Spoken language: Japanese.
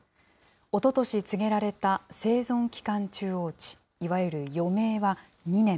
おととし告げられた生存期間中央値、いわゆる余命は２年。